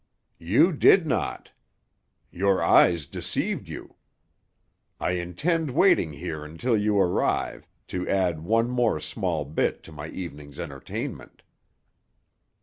You did not! Your eyes deceived you! I intend waiting here until you arrive, to add one more small bit to my evening's entertainment.